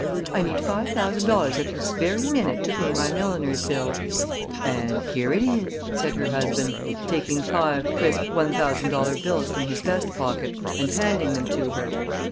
I need five thousand dollars at this very minute to pay my milliner's bill." "And here it is," said her husband, taking five crisp one thousand dollar bills from his vest pocket and handing them to her.